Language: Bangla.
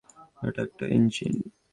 এটা একটা ইঞ্জিন।